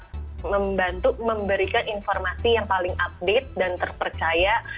dan juga bisa membantu memberikan informasi yang paling update dan terpercaya